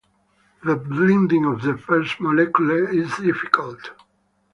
The binding of the first molecule is difficult.